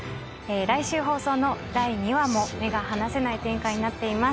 来週放送の第２話も目が離せない展開になっています。